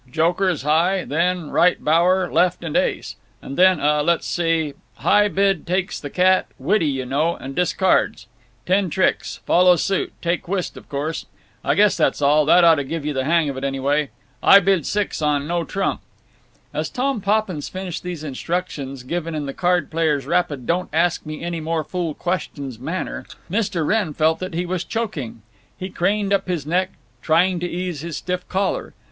Joker is high, then right bower, left, and ace. Then—uh—let's see; high bid takes the cat—widdie, you know—and discards. Ten tricks. Follow suit like whist, of course. I guess that's all—that ought to give you the hang of it, anyway. I bid six on no trump." As Tom Poppins finished these instructions, given in the card player's rapid don't ask me any more fool questions manner, Mr. Wrenn felt that he was choking. He craned up his neck, trying to ease his stiff collar.